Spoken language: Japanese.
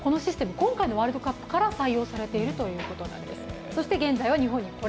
今回のワールドカップから採用されているということなんです。